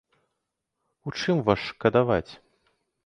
У чым вас шкадаваць?